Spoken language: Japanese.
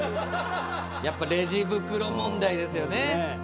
やっぱレジ袋問題ですよね。